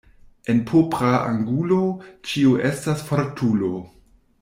En propra angulo ĉiu estas fortulo.